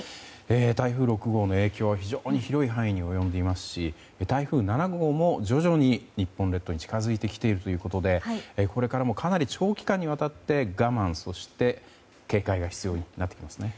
台風６号の影響は非常に広い範囲に及んでいますし台風７号も徐々に日本列島に近づいてきているということでこれからもかなり長期間にわたって我慢そして、警戒が必要になってきますね。